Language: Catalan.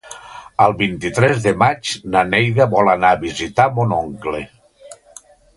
El vint-i-tres de maig na Neida vol anar a visitar mon oncle.